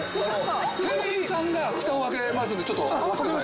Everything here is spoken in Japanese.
店員さんがふたを開けますんでちょっとお待ちください。